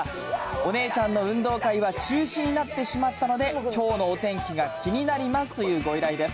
お姉ちゃんの運動会は中止になってしまったので、きょうのお天気が気になりますというご依頼です。